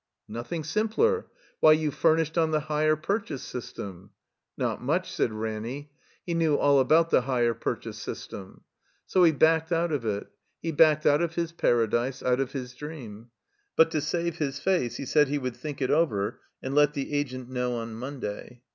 Nothing simpler. Why — ^you furnished on the hire purchase system. '' Not much, '' said Ranny. He knew all about the hire purchase system. So he backed out of it. He backed out of his Paradise, out of his dream. But to save his face he said he wotdd think it over and let the Agent know on Monday.